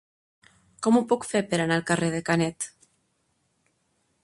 Com ho puc fer per anar al carrer de Canet?